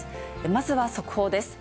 まずは速報です。